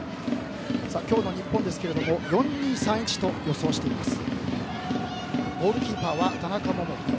今日の日本ですが４−２−３−１と予想しています。